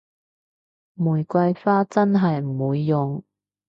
玫瑰花真係唔會用